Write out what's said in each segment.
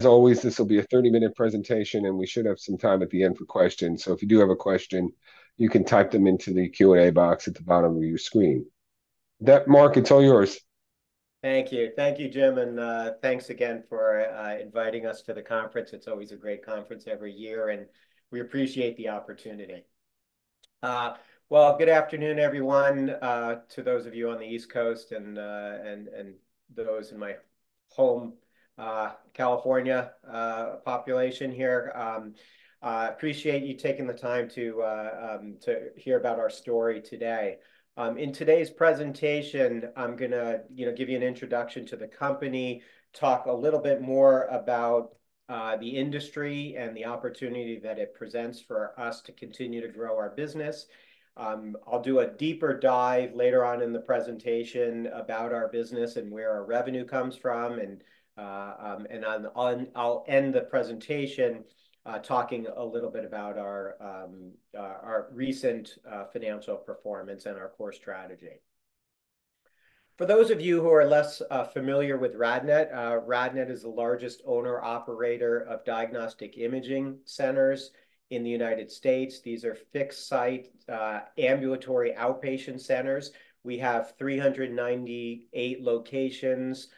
As always, this will be a thirty-minute presentation, and we should have some time at the end for questions. So if you do have a question, you can type them into the Q&A box at the bottom of your screen. Mark, it's all yours. Thank you. Thank you, Jim, and thanks again for inviting us to the conference. It's always a great conference every year, and we appreciate the opportunity. Good afternoon, everyone, to those of you on the East Coast and those in my home, California, population here. Appreciate you taking the time to hear about our story today. In today's presentation, I'm gonna, you know, give you an introduction to the company, talk a little bit more about the industry and the opportunity that it presents for us to continue to grow our business. I'll do a deeper dive later on in the presentation about our business and where our revenue comes from, and, I'll end the presentation, talking a little bit about our recent financial performance and our core strategy. For those of you who are less familiar with RadNet, RadNet is the largest owner/operator of diagnostic imaging centers in the United States. These are fixed-site ambulatory outpatient centers. We have 398 locations.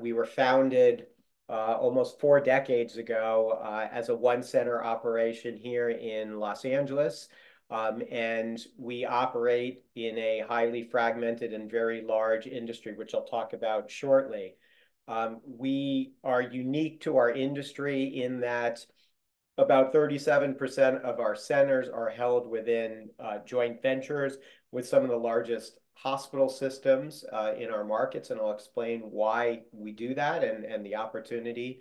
We were founded almost four decades ago as a one-center operation here in Los Angeles. And we operate in a highly fragmented and very large industry, which I'll talk about shortly. We are unique to our industry in that about 37% of our centers are held within joint ventures with some of the largest hospital systems in our markets, and I'll explain why we do that, and the opportunity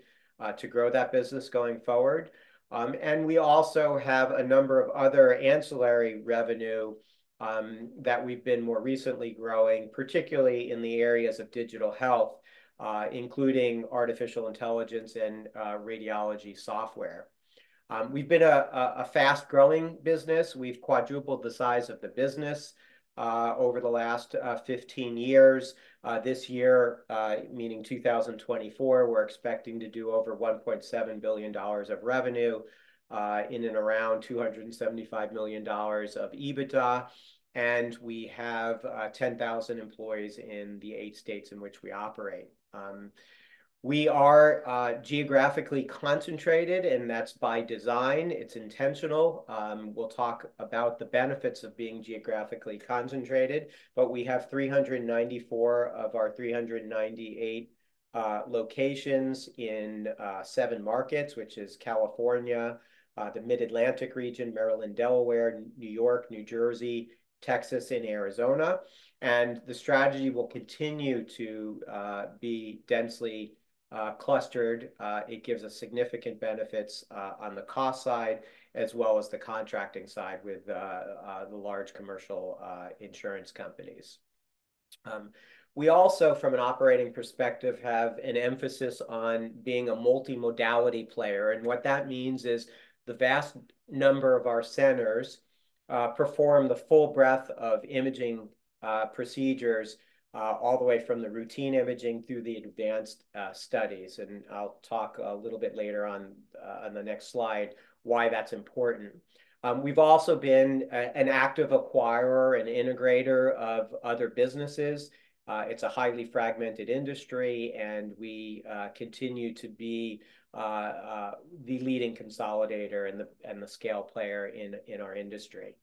to grow that business going forward. We also have a number of other ancillary revenue that we've been more recently growing, particularly in the areas of digital health including artificial intelligence and radiology software. We've been a fast-growing business. We've quadrupled the size of the business over the last 15 years. This year, meaning 2024, we're expecting to do over $1.7 billion of revenue, in and around $275 million of EBITDA, and we have 10,000 employees in the eight states in which we operate. We are geographically concentrated, and that's by design. It's intentional. We'll talk about the benefits of being geographically concentrated, but we have 394 of our 398 locations in seven markets, which is California, the Mid-Atlantic region, Maryland, Delaware, New York, New Jersey, Texas, and Arizona, and the strategy will continue to be densely clustered. It gives us significant benefits on the cost side, as well as the contracting side with the large commercial insurance companies. We also, from an operating perspective, have an emphasis on being a multimodality player, and what that means is the vast number of our centers perform the full breadth of imaging procedures all the way from the routine imaging through the advanced studies, and I'll talk a little bit later on the next slide why that's important. We've also been an active acquirer and integrator of other businesses. It's a highly fragmented industry, and we continue to be the leading consolidator and the scale player in our industry.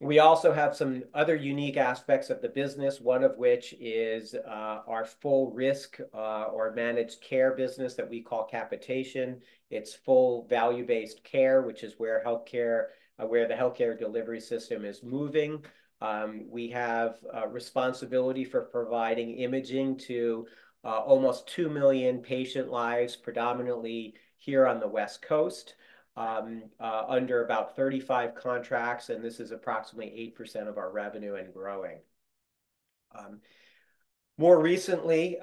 We also have some other unique aspects of the business, one of which is our full risk or managed care business that we call capitation. It's full value-based care, which is where healthcare where the healthcare delivery system is moving. We have responsibility for providing imaging to almost 2 million patient lives, predominantly here on the West Coast under about 35 contracts, and this is approximately 8% of our revenue and growing. More recently,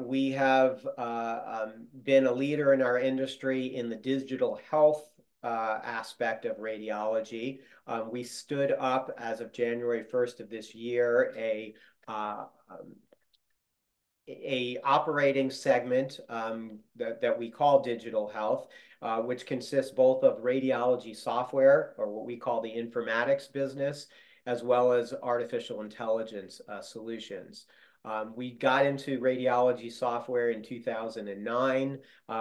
we have been a leader in our industry in the digital health aspect of radiology. We stood up, as of January first of this year, an operating segment that we call digital health, which consists both of radiology software or what we call the informatics business, as well as artificial intelligence solutions. We got into radiology software in two thousand and nine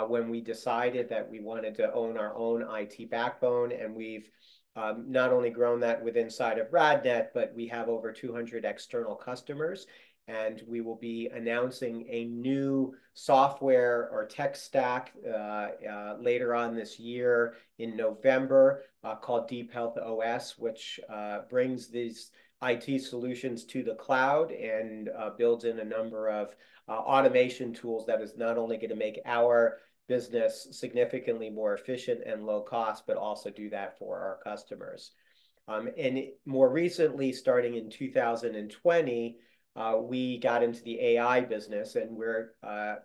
when we decided that we wanted to own our own IT backbone, and we've not only grown that within RadNet, but we have over 200 external customers. And we will be announcing a new software or tech stack later on this year in November called DeepHealth OS, which brings these IT solutions to the cloud and builds in a number of automation tools that is not only gonna make our business significantly more efficient and low cost, but also do that for our customers. And more recently, starting in 2020, we got into the AI business, and we're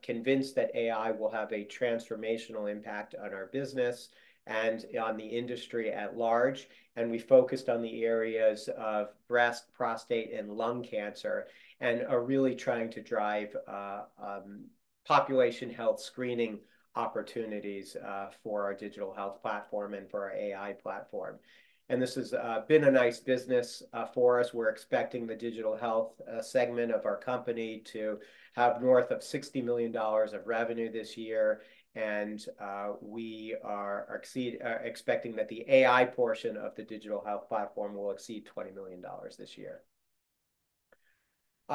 convinced that AI will have a transformational impact on our business and on the industry at large. And we focused on the areas of breast, prostate, and lung cancer, and are really trying to drive population health screening opportunities for our digital health platform and for our AI platform... and this has been a nice business for us. We're expecting the digital health segment of our company to have north of $60 million of revenue this year, and we are expecting that the AI portion of the digital health platform will exceed $20 million this year.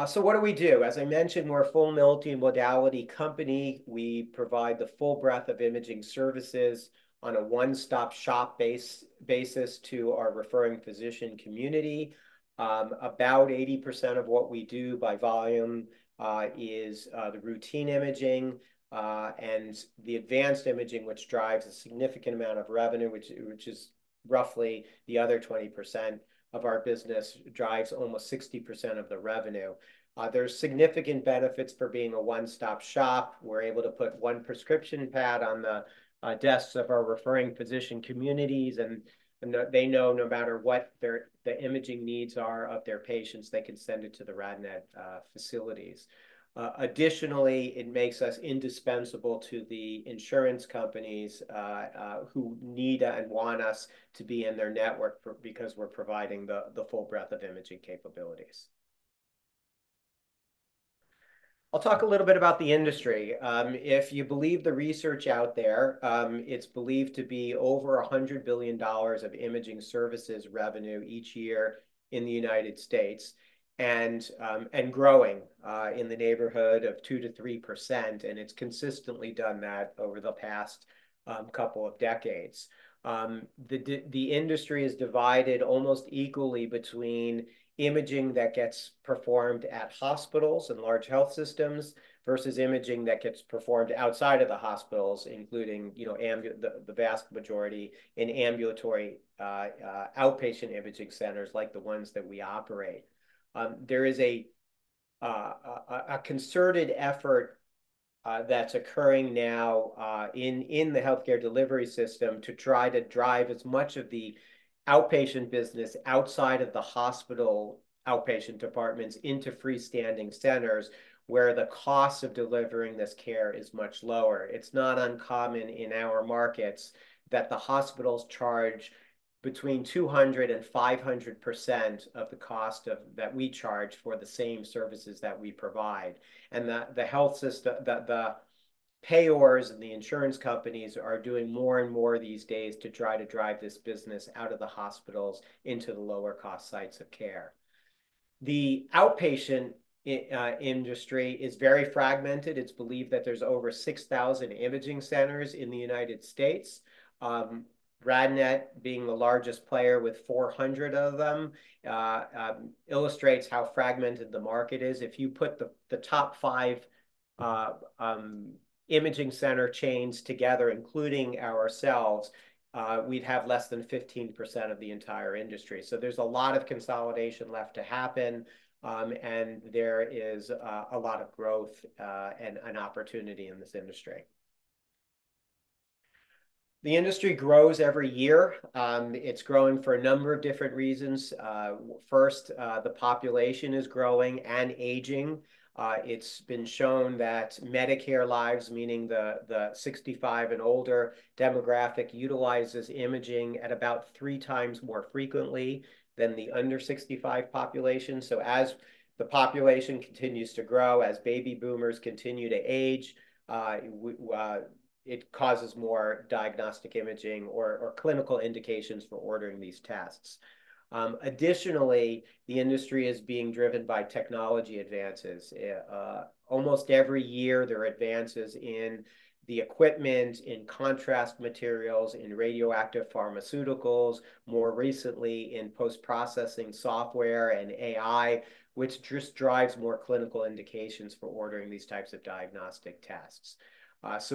So what do we do? As I mentioned, we're a full multi-modality company. We provide the full breadth of imaging services on a one-stop-shop basis to our referring physician community. About 80% of what we do by volume is the routine imaging and the advanced imaging, which drives a significant amount of revenue, which is roughly the other 20% of our business, drives almost 60% of the revenue. There's significant benefits for being a one-stop shop. We're able to put one prescription pad on the desks of our referring physician communities, and they know, no matter what their, the imaging needs are of their patients, they can send it to the RadNet facilities. Additionally, it makes us indispensable to the insurance companies who need and want us to be in their network because we're providing the full breadth of imaging capabilities. I'll talk a little bit about the industry. If you believe the research out there, it's believed to be over $100 billion of imaging services revenue each year in the United States, and growing in the neighborhood of 2%-3%, and it's consistently done that over the past couple of decades. The industry is divided almost equally between imaging that gets performed at hospitals and large health systems, versus imaging that gets performed outside of the hospitals, including, you know, the vast majority in ambulatory outpatient imaging centers like the ones that we operate. There is a concerted effort that's occurring now in the healthcare delivery system to try to drive as much of the outpatient business outside of the hospital outpatient departments into freestanding centers, where the cost of delivering this care is much lower. It's not uncommon in our markets that the hospitals charge between 200 and 500% of the cost that we charge for the same services that we provide. The health system, the payers and the insurance companies are doing more and more these days to try to drive this business out of the hospitals into the lower-cost sites of care. The outpatient industry is very fragmented. It's believed that there are over 6,000 imaging centers in the United States. RadNet being the largest player with 400 of them illustrates how fragmented the market is. If you put the top five imaging center chains together, including ourselves, we'd have less than 15% of the entire industry. So there's a lot of consolidation left to happen, and there is a lot of growth and an opportunity in this industry. The industry grows every year. It's growing for a number of different reasons. First, the population is growing and aging. It's been shown that Medicare lives, meaning the sixty-five and older demographic, utilizes imaging at about three times more frequently than the under-sixty-five population. As the population continues to grow, as baby boomers continue to age, it causes more diagnostic imaging or clinical indications for ordering these tests. Additionally, the industry is being driven by technology advances. Almost every year, there are advances in the equipment, in contrast materials, in radioactive pharmaceuticals, more recently in post-processing software and AI, which just drives more clinical indications for ordering these types of diagnostic tests.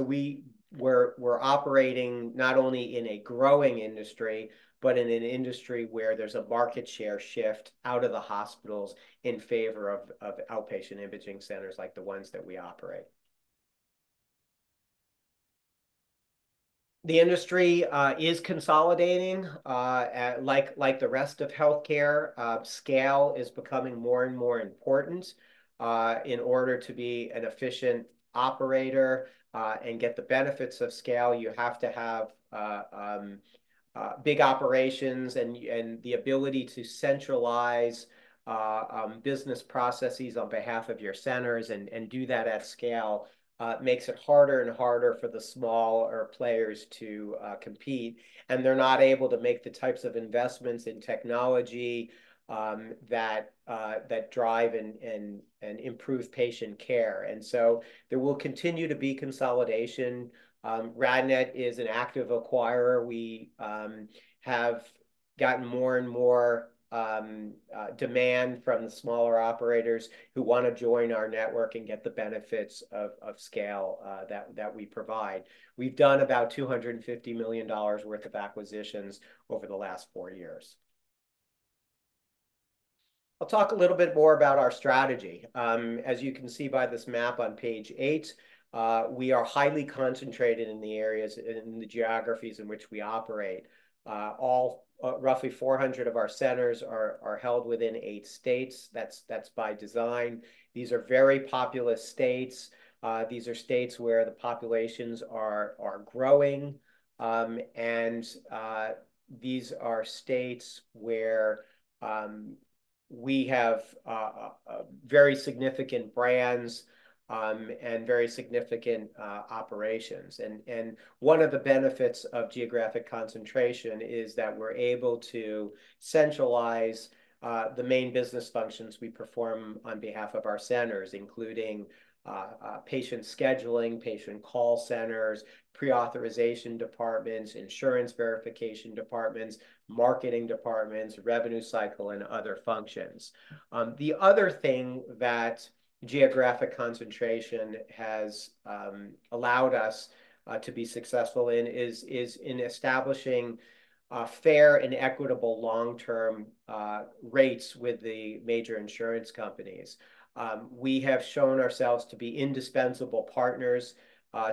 We're operating not only in a growing industry, but in an industry where there's a market share shift out of the hospitals in favor of outpatient imaging centers like the ones that we operate. The industry is consolidating. Like the rest of healthcare, scale is becoming more and more important. In order to be an efficient operator and get the benefits of scale, you have to have big operations and the ability to centralize business processes on behalf of your centers and do that at scale makes it harder and harder for the smaller players to compete, and they're not able to make the types of investments in technology that drive and improve patient care, and so there will continue to be consolidation. RadNet is an active acquirer. We have gotten more and more demand from the smaller operators who wanna join our network and get the benefits of scale that we provide. We've done about $250 million worth of acquisitions over the last four years. I'll talk a little bit more about our strategy. As you can see by this map on page eight, we are highly concentrated in the areas, in the geographies in which we operate. All, roughly 400 of our centers are held within eight states. That's by design. These are very populous states. These are states where the populations are growing, and these are states where we have very significant brands, and very significant operations. One of the benefits of geographic concentration is that we're able to centralize the main business functions we perform on behalf of our centers, including patient scheduling, patient call centers, pre-authorization departments, insurance verification departments, marketing departments, revenue cycle, and other functions. The other thing that geographic concentration has allowed us to be successful in is in establishing fair and equitable long-term rates with the major insurance companies. We have shown ourselves to be indispensable partners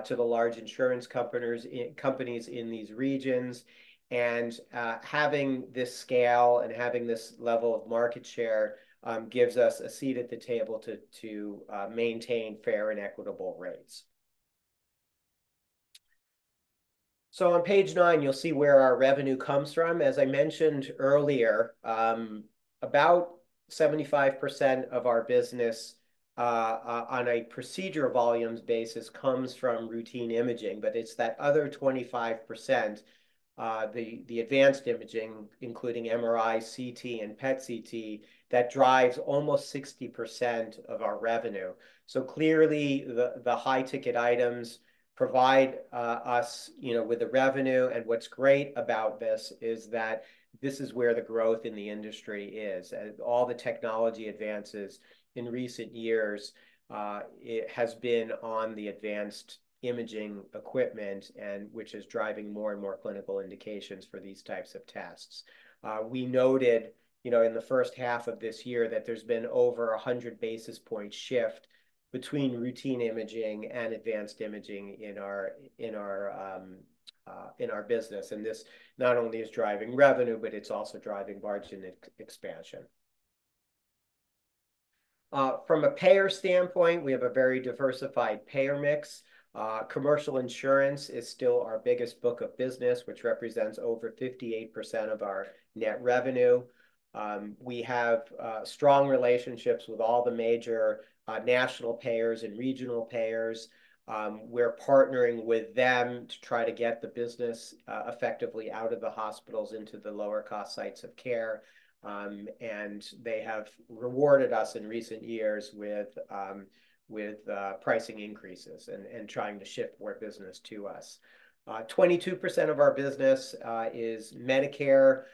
to the large insurance companies in these regions. Having this scale and having this level of market share gives us a seat at the table to maintain fair and equitable rates. On page nine, you'll see where our revenue comes from. As I mentioned earlier, about 75% of our business, on a procedure volumes basis, comes from routine imaging. But it's that other 25%, the advanced imaging, including MRI, CT, and PET CT, that drives almost 60% of our revenue. So clearly, the high-ticket items provide us, you know, with the revenue, and what's great about this is that this is where the growth in the industry is. And all the technology advances in recent years, it has been on the advanced imaging equipment, and which is driving more and more clinical indications for these types of tests. We noted, you know, in the first half of this year, that there's been over 100 basis point shift between routine imaging and advanced imaging in our business, and this not only is driving revenue, but it's also driving margin expansion. From a payer standpoint, we have a very diversified payer mix. Commercial insurance is still our biggest book of business, which represents over 58% of our net revenue. We have strong relationships with all the major national payers and regional payers. We're partnering with them to try to get the business effectively out of the hospitals into the lower-cost sites of care. And they have rewarded us in recent years with pricing increases and trying to shift more business to us. 22% of our business is Medicare.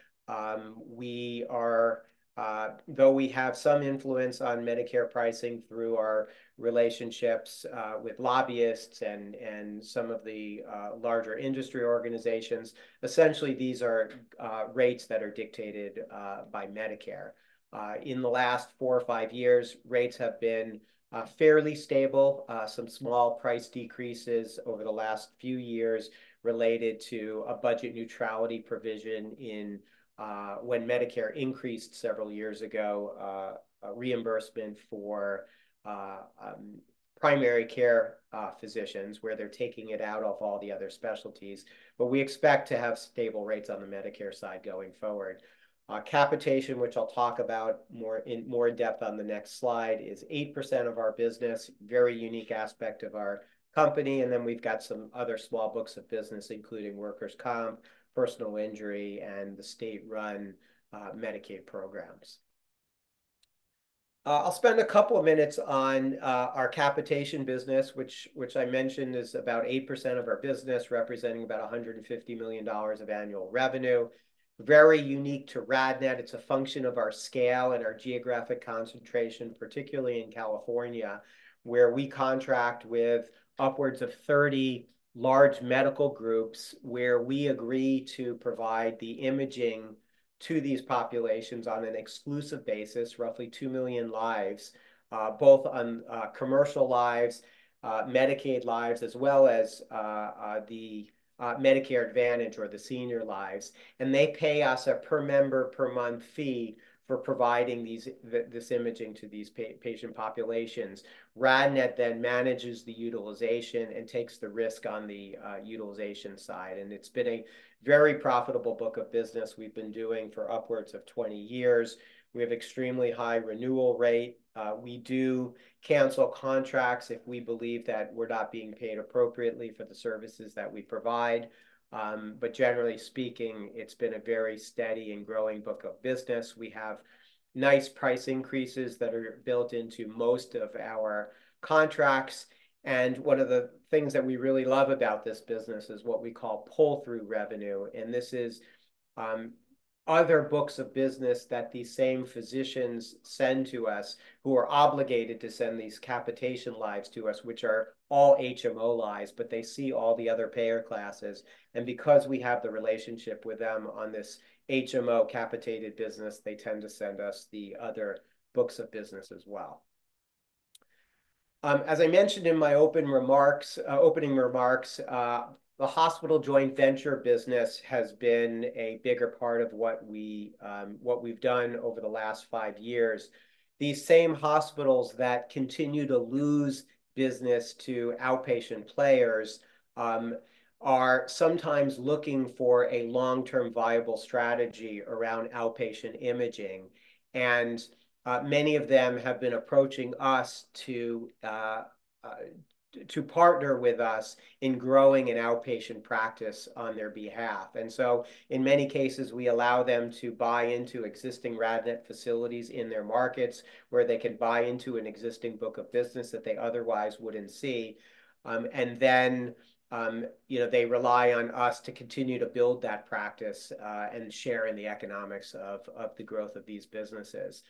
Though we have some influence on Medicare pricing through our relationships with lobbyists and some of the larger industry organizations, essentially, these are rates that are dictated by Medicare. In the last four or five years, rates have been fairly stable. Some small price decreases over the last few years related to a budget neutrality provision in when Medicare increased several years ago a reimbursement for primary care physicians, where they're taking it out of all the other specialties. But we expect to have stable rates on the Medicare side going forward. Capitation, which I'll talk about more in depth on the next slide, is 8% of our business, very unique aspect of our company, and then we've got some other small books of business, including workers' comp, personal injury, and the state-run Medicaid programs. I'll spend a couple of minutes on our capitation business, which I mentioned is about 8% of our business, representing about $150 million of annual revenue. Very unique to RadNet. It's a function of our scale and our geographic concentration, particularly in California, where we contract with upwards of 30 large medical groups, where we agree to provide the imaging to these populations on an exclusive basis, roughly 2 million lives, both on commercial lives, Medicaid lives, as well as the Medicare Advantage or the senior lives. And they pay us a per-member, per-month fee for providing these this imaging to these patient populations. RadNet then manages the utilization and takes the risk on the utilization side, and it's been a very profitable book of business we've been doing for upwards of twenty years. We have extremely high renewal rate. We do cancel contracts if we believe that we're not being paid appropriately for the services that we provide, but generally speaking, it's been a very steady and growing book of business. We have nice price increases that are built into most of our contracts, and one of the things that we really love about this business is what we call pull-through revenue. And this is other books of business that these same physicians send to us, who are obligated to send these capitation lives to us, which are all HMO lives, but they see all the other payer classes. And because we have the relationship with them on this HMO capitated business, they tend to send us the other books of business as well. As I mentioned in my opening remarks, the hospital joint venture business has been a bigger part of what we've done over the last five years. These same hospitals that continue to lose business to outpatient players are sometimes looking for a long-term viable strategy around outpatient imaging. And many of them have been approaching us to partner with us in growing an outpatient practice on their behalf. In many cases, we allow them to buy into existing RadNet facilities in their markets, where they can buy into an existing book of business that they otherwise wouldn't see. You know, they rely on us to continue to build that practice, and share in the economics of the growth of these businesses.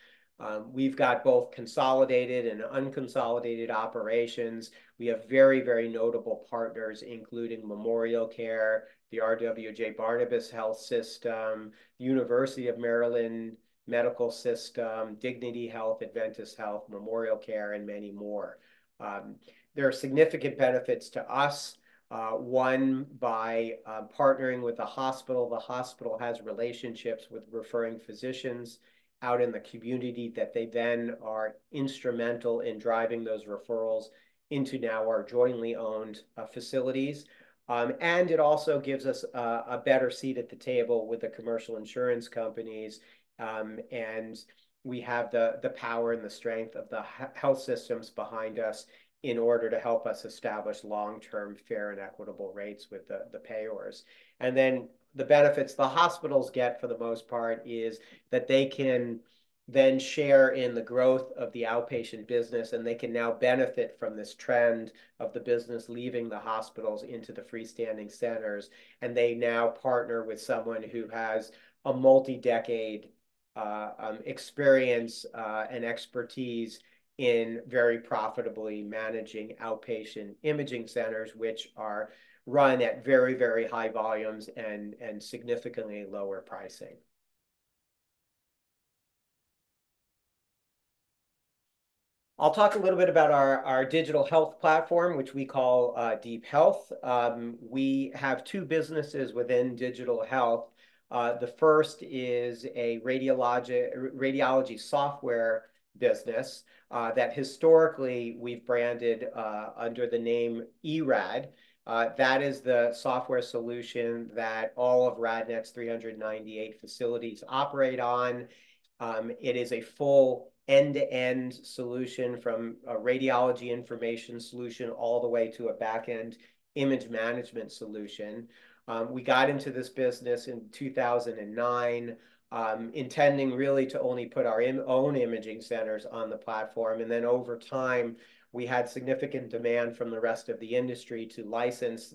We've got both consolidated and unconsolidated operations. We have very, very notable partners, including MemorialCare, the RWJBarnabas Health system, University of Maryland Medical System, Dignity Health, Adventist Health, MemorialCare, and many more. There are significant benefits to us. One, by partnering with the hospital, the hospital has relationships with referring physicians out in the community that they then are instrumental in driving those referrals into now our jointly owned facilities. It also gives us a better seat at the table with the commercial insurance companies. We have the power and the strength of the health systems behind us in order to help us establish long-term fair and equitable rates with the payers. The benefits the hospitals get, for the most part, is that they can then share in the growth of the outpatient business, and they can now benefit from this trend of the business leaving the hospitals into the freestanding centers. They now partner with someone who has a multi-decade experience and expertise in very profitably managing outpatient imaging centers, which are run at very, very high volumes and significantly lower pricing. I'll talk a little bit about our digital health platform, which we call Deep Health. We have two businesses within Deep Health. The first is a radiology software business that historically we've branded under the name eRAD. That is the software solution that all of RadNet's 398 facilities operate on. It is a full end-to-end solution from a radiology information solution all the way to a back-end image management solution. We got into this business in 2009, intending really to only put our own imaging centers on the platform, and then over time, we had significant demand from the rest of the industry to license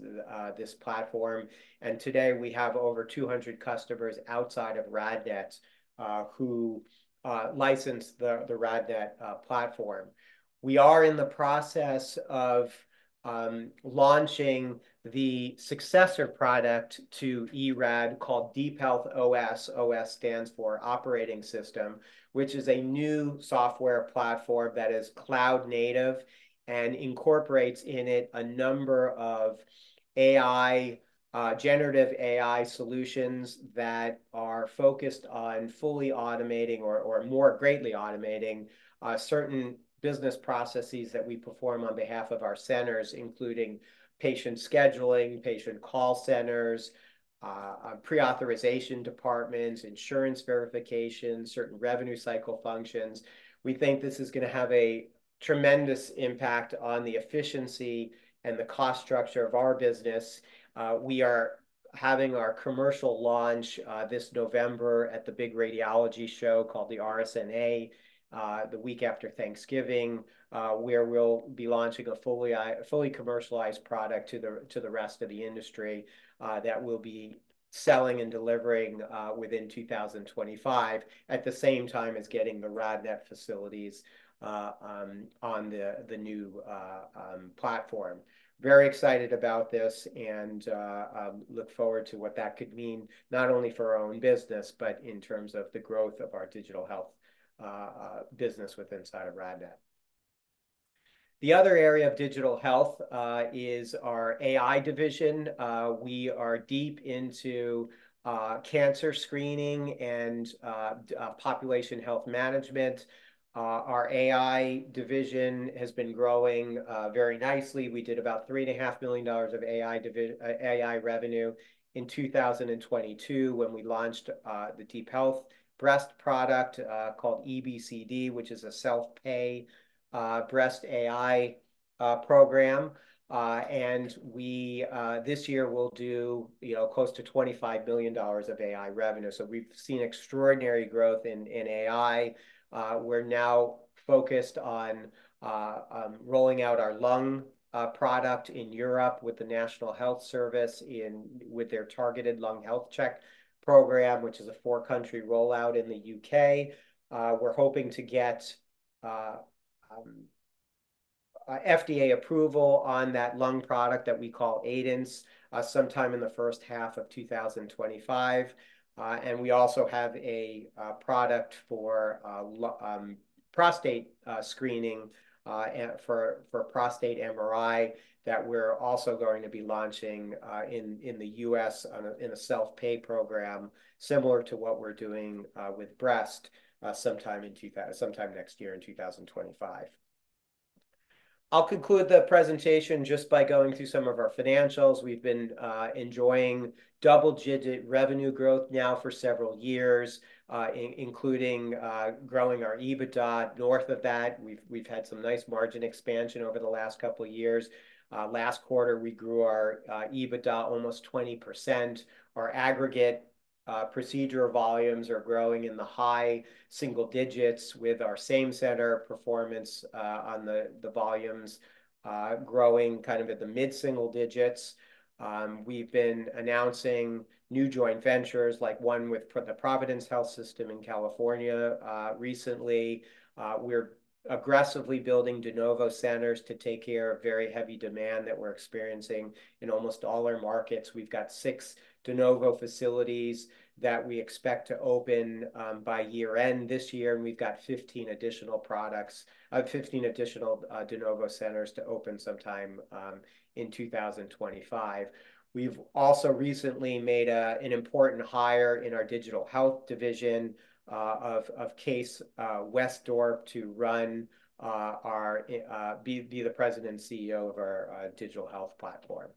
this platform. And today, we have over 200 customers outside of RadNet who license the RadNet platform. We are in the process of launching the successor product to eRAD, called Deep Health OS. OS stands for Operating System, which is a new software platform that is cloud native and incorporates in it a number of AI, generative AI solutions that are focused on fully automating or more greatly automating certain business processes that we perform on behalf of our centers, including patient scheduling, patient call centers, pre-authorization departments, insurance verification, certain revenue cycle functions. We think this is gonna have a tremendous impact on the efficiency and the cost structure of our business. We are having our commercial launch this November at the big radiology show called the RSNA the week after Thanksgiving where we'll be launching a fully commercialized product to the rest of the industry that we'll be selling and delivering within 2025 at the same time as getting the RadNet facilities on the new platform. Very excited about this, and look forward to what that could mean, not only for our own business, but in terms of the growth of our digital health business within RadNet. The other area of digital health is our AI division. We are deep into cancer screening and population health management. Our AI division has been growing very nicely. We did about $3.5 billion of AI revenue in 2022, when we launched the Deep Health breast product called EBCD, which is a self-pay breast AI program, and we this year will do, you know, close to $25 billion of AI revenue. So we've seen extraordinary growth in AI. We're now focused on rolling out our lung product in Europe with the National Health Service with their argeted Lung Health Check program, which is a four-country rollout in the U.K. We're hoping to get FDA approval on that lung product that we call Aidence sometime in the first half of 2025. And we also have a product for prostate screening and for prostate MRI that we're also going to be launching in the U.S. on a self-pay program, similar to what we're doing with breast sometime next year in 2025. I'll conclude the presentation just by going through some of our financials. We've been enjoying double-digit revenue growth now for several years including growing our EBITDA. North of that, we've had some nice margin expansion over the last couple years. Last quarter, we grew our EBITDA almost 20%. Our aggregate procedure volumes are growing in the high single digits, with our same center performance on the volumes growing kind of at the mid-single digits. We've been announcing new joint ventures, like one with the Providence health system in California, recently. We're aggressively building de novo centers to take care of very heavy demand that we're experiencing in almost all our markets. We've got six de novo facilities that we expect to open by year-end this year, and we've got 15 additional de novo centers to open sometime in 2025. We've also recently made an important hire in our digital health division of Kees Wesdorp to be the president and CEO of our digital health platform.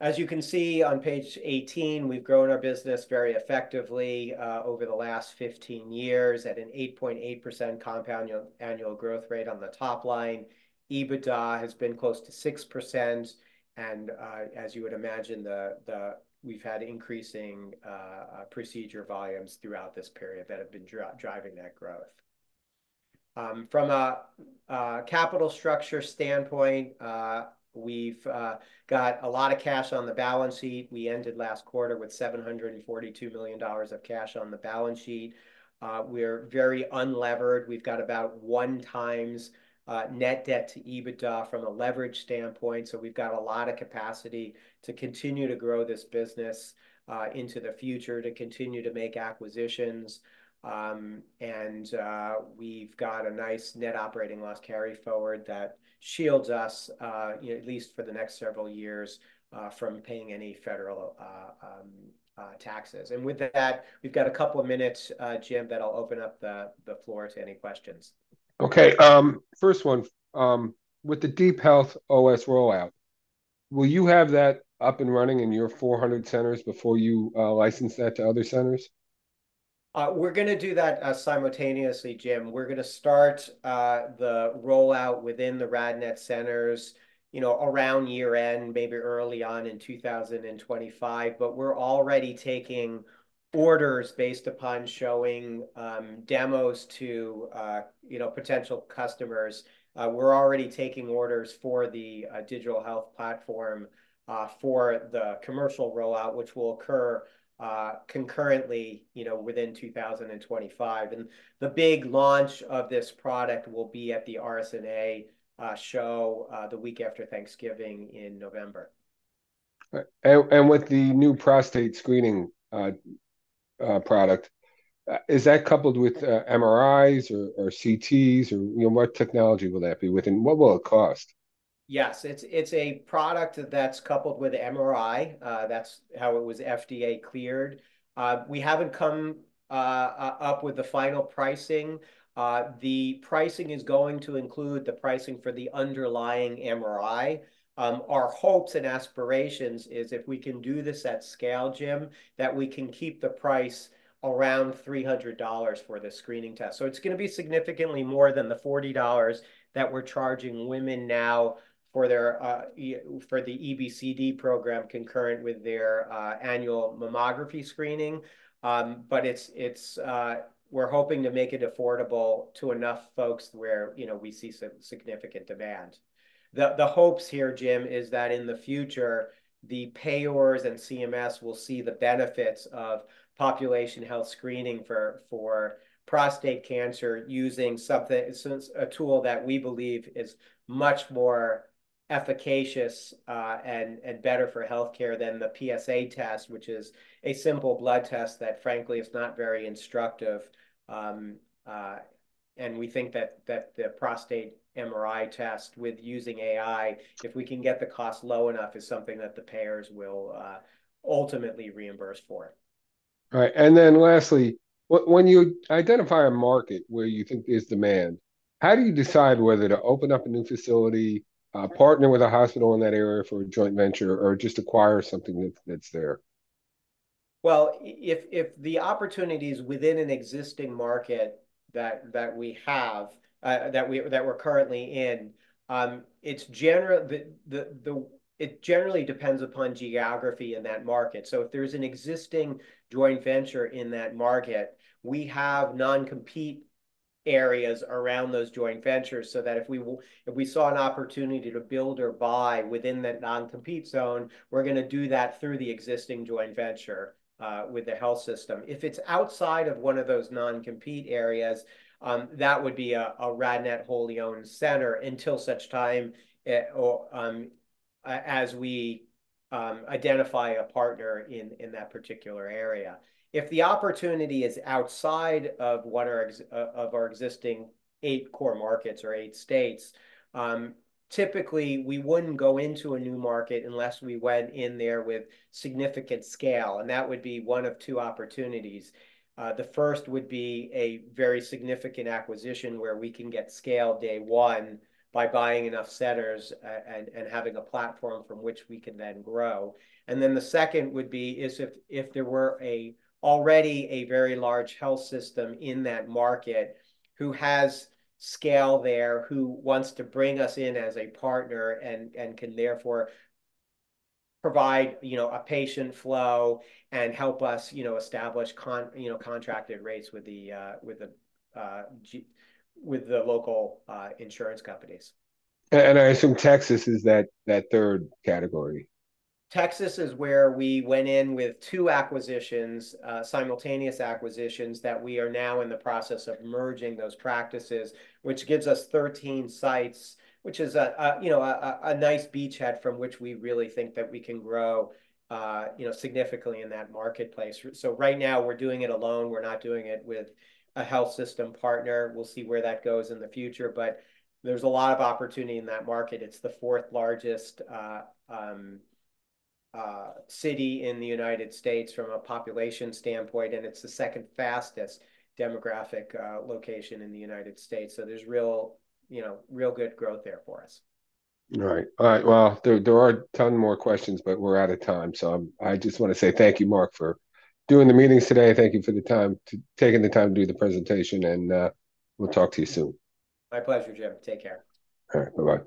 As you can see on page 18, we've grown our business very effectively over the last 15 years at an 8.8% compound annual growth rate on the top line. EBITDA has been close to 6%, and, as you would imagine, we've had increasing procedure volumes throughout this period that have been driving that growth. From a capital structure standpoint, we've got a lot of cash on the balance sheet. We ended last quarter with $742 million of cash on the balance sheet. We're very unlevered. We've got about one times net debt to EBITDA from a leverage standpoint, so we've got a lot of capacity to continue to grow this business into the future, to continue to make acquisitions, and we've got a nice net operating loss carryforward that shields us at least for the next several years from paying any federal taxes. And with that, we've got a couple of minutes, Jim, then I'll open up the floor to any questions. Okay, first one: With the Deep Health OS rollout, will you have that up and running in your 400 centers before you license that to other centers? We're gonna do that simultaneously, Jim. We're gonna start the rollout within the RadNet centers, you know, around year-end, maybe early on in 2025. But we're already taking orders based upon showing demos to, you know, potential customers. We're already taking orders for the digital health platform for the commercial rollout, which will occur concurrently, you know, within 2025. And the big launch of this product will be at the RSNA show the week after Thanksgiving in November. With the new prostate screening product, is that coupled with MRIs or CTs, or you know, what technology will that be within? What will it cost? Yes, it's a product that's coupled with MRI. That's how it was FDA cleared. We haven't come up with the final pricing. The pricing is going to include the pricing for the underlying MRI. Our hopes and aspirations is, if we can do this at scale, Jim, that we can keep the price around $300 for the screening test. So it's gonna be significantly more than the $40 that we're charging women now for their EBCD program, concurrent with their annual mammography screening. But it's, it's... We're hoping to make it affordable to enough folks where, you know, we see significant demand. The hopes here, Jim, is that in the future, the payers and CMS will see the benefits of population health screening for prostate cancer, using something, so it's a tool that we believe is much more efficacious, and better for healthcare than the PSA test, which is a simple blood test that, frankly, is not very instructive. And we think that the prostate MRI test with using AI, if we can get the cost low enough, is something that the payers will ultimately reimburse for it. Right, and then lastly, when you identify a market where you think there's demand, how do you decide whether to open up a new facility, partner with a hospital in that area for a joint venture, or just acquire something that's there? If the opportunity is within an existing market that we have, that we're currently in, it generally depends upon geography in that market. So if there's an existing joint venture in that market, we have non-compete areas around those joint ventures, so that if we saw an opportunity to build or buy within that non-compete zone, we're gonna do that through the existing joint venture with the health system. If it's outside of one of those non-compete areas, that would be a RadNet wholly owned center, until such time or as we identify a partner in that particular area. If the opportunity is outside of what our existing eight core markets or eight states, typically, we wouldn't go into a new market unless we went in there with significant scale, and that would be one of two opportunities. The first would be a very significant acquisition where we can get scale day one by buying enough centers, and having a platform from which we can then grow, and then the second would be if there were already a very large health system in that market who has scale there, who wants to bring us in as a partner, and can therefore provide, you know, a patient flow and help us, you know, establish you know, contracted rates with the local insurance companies. And I assume Texas is that third category? Texas is where we went in with two acquisitions, simultaneous acquisitions, that we are now in the process of merging those practices, which gives us 13 sites, which is a, you know, a nice beachhead from which we really think that we can grow, you know, significantly in that marketplace. So right now, we're doing it alone. We're not doing it with a health system partner. We'll see where that goes in the future, but there's a lot of opportunity in that market. It's the fourth-largest city in the United States from a population standpoint, and it's the second fastest demographic location in the United States. So there's real, you know, real good growth there for us. Right. All right, well, there are a ton more questions, but we're out of time. So I just wanna say thank you, Mark, for doing the meetings today. Thank you for the time, taking the time to do the presentation, and we'll talk to you soon. My pleasure, Jim. Take care. All right. Bye-bye.